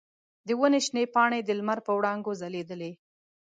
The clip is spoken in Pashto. د ونې شنې پاڼې د لمر په وړانګو ځلیدلې.